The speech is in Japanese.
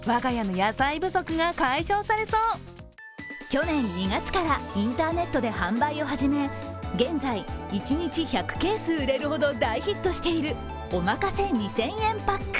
去年２月からインターネットで販売を始め、現在、一日１００ケース売れるほど大ヒットしているおまかせ２０００円パック。